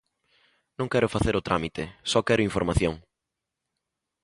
Non quero facer o trámite, só quero información.